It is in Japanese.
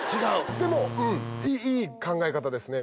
でもうんいい考え方ですね。